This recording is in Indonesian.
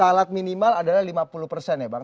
alat minimal adalah lima puluh persen ya bang